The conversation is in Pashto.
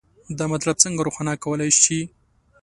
دا مطلب څنګه روښانه کولی شئ؟